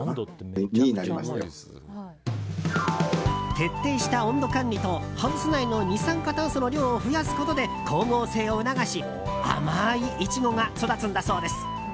徹底した温度管理とハウス内の二酸化炭素の量を増やすことで光合成を促し甘いイチゴが育つんだそうです。